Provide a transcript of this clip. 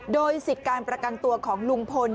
โดยสิทธิ์การประกันตัวของลุงพล